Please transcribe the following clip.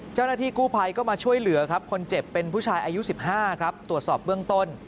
เจ้าหน้าที่กู้ภัยก็มาช่วยเหลือครับคนเจ็บเป็นผู้ชายอายุ๑๕ครับตรวจสอบเบื้องต้น